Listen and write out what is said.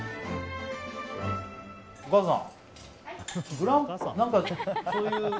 お母さん。